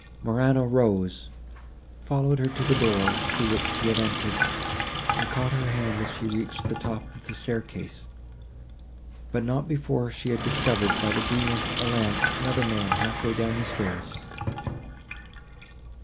Morano rose, followed her to the door, through which he had entered, and caught her hand, as she reached the top of the staircase, but not before she had discovered, by the gleam of a lamp, another man half way down the steps.